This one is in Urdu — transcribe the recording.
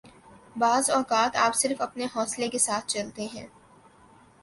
بعض اوقات آپ صرف اپنے حوصلہ کے ساتھ چلتے ہیں